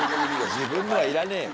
「自分の」はいらねえよ。